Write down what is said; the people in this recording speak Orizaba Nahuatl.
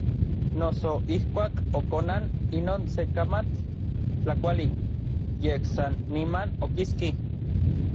Noso ijkuak okonan inon se kamatl tlakuali, yej san niman okiski.